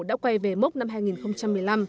đã quay về mốc năm hai nghìn một mươi năm